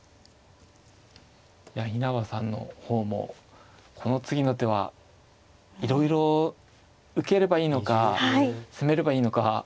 稲葉さんの方もこの次の手はいろいろ受ければいいのか攻めればいいのか。